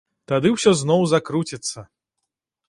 Тады ўсё зноў закруціцца!